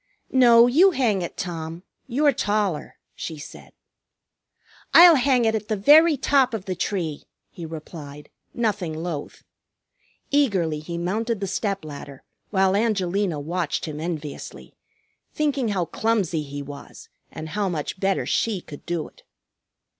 "No, you hang it, Tom. You're taller," she said. "I'll hang it at the very top of the tree!" he replied, nothing loath. Eagerly he mounted the step ladder, while Angelina watched him enviously, thinking how clumsy he was, and how much better she could do it.